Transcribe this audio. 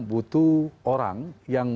butuh orang yang